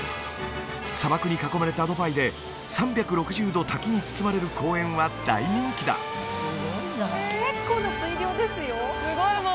砂漠に囲まれたドバイで３６０度滝に包まれる公園は大人気だすごい